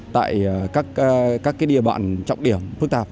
tại các địa bàn trọng điểm phức tạp